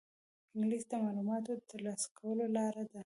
انګلیسي د معلوماتو د ترلاسه کولو لاره ده